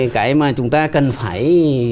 cái mà chúng ta cần phải